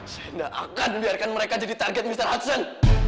saya gak akan biarkan mereka jadi target mr hudson